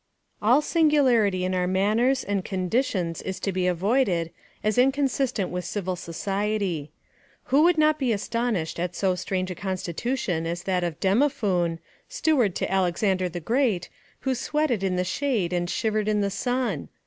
All singularity in our manners and conditions is to be avoided, as inconsistent with civil society. Who would not be astonished at so strange a constitution as that of Demophoon, steward to Alexander the Great, who sweated in the shade and shivered in the sun?